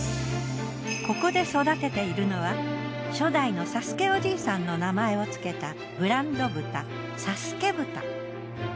ここで育てているのは初代の佐助おじいさんの名前をつけたブランド豚佐助豚。